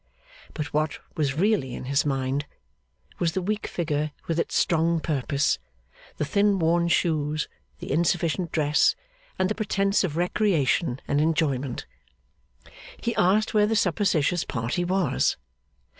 But what was really in his mind, was the weak figure with its strong purpose, the thin worn shoes, the insufficient dress, and the pretence of recreation and enjoyment. He asked where the suppositious party was?